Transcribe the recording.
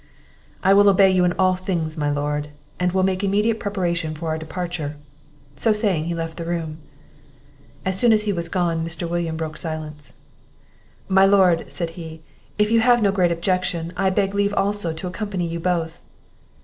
"I will obey you in all things, my lord; and will make immediate preparation for our departure." So saying, he left the room. As soon as he was gone, Mr. William broke silence. "My Lord," said he, "if you have no great objection, I beg leave also to accompany you both."